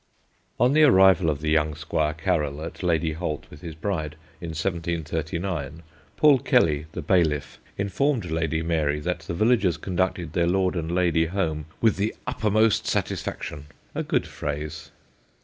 On the arrival of the young Squire Caryll at Lady Holt with his bride, in 1739, Paul Kelly, the bailiff, informed Lady Mary that the villagers conducted their lord and lady home "with the upermost satisfaction" a good phrase.